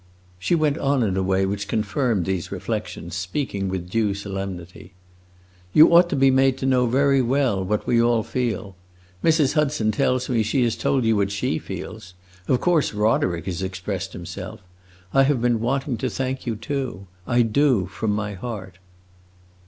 She went on in a way which confirmed these reflections, speaking with due solemnity. "You ought to be made to know very well what we all feel. Mrs. Hudson tells me that she has told you what she feels. Of course Roderick has expressed himself. I have been wanting to thank you too; I do, from my heart."